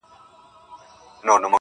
كه به زما په دعا كيږي.